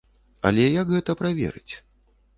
Але як гэта праверыць?